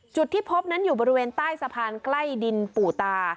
จุดที่พบนั้นอยู่บริเวณใต้สะพานใกล้ดินปู่ตา